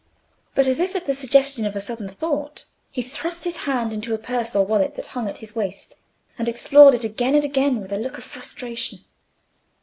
But as if at the suggestion of a sudden thought, he thrust his hand into a purse or wallet that hung at his waist, and explored it again and again with a look of frustration.